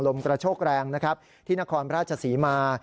ลมตระโชคแรงนะครับที่นครพระราชสีมา